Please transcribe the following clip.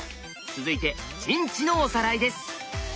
続いて陣地のおさらいです。